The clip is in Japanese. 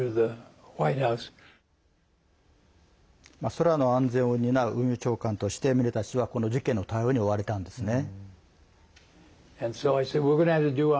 空の安全を担う運輸長官としてミネタ氏はこの事件の対応に追われたんですね。